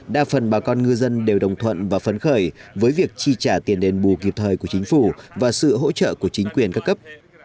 đa phần bà con ngư dân đều đồng thuận và phấn khởi với việc chi trả tiền đền bù kịp thời của chính phủ và sự hỗ trợ của chính quyền các cấp